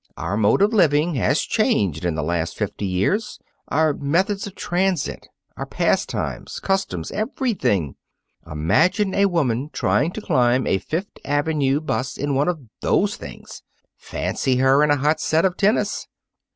Our mode of living has changed in the last fifty years our methods of transit, our pastimes, customs, everything. Imagine a woman trying to climb a Fifth Avenue 'bus in one of those things. Fancy her in a hot set of tennis.